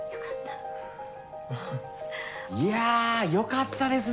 いや良かったですね。